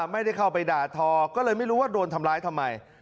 ไม่ได้เข้าไปด่าทอก็เลยไม่รู้ว่าโดนทำร้ายทำไม